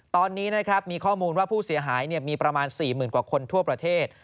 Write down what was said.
ตอนนี้นะครับมีข้อมูลว่าผู้เสียหายมีประมาณ๔๐๐๐กว่าคนทั่วประเทศ